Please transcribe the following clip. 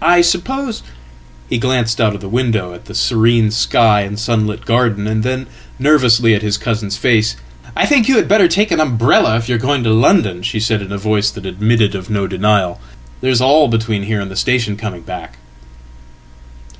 I suppose "He glanced out of the window at the serene sky and sunlit garden, and thennervously at his cousin's face."I think you had better take an umbrella if you are going to London," shesaid in a voice that admitted of no denial. "There's all between here andthe station coming back."